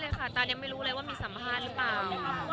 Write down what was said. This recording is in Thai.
ใช่ค่ะตายังไม่รู้เลยว่ามีสัมภาษณ์หรือเปล่า